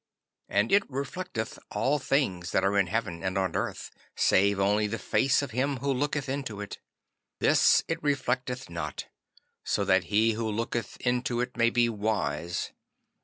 And it reflecteth all things that are in heaven and on earth, save only the face of him who looketh into it. This it reflecteth not, so that he who looketh into it may be wise.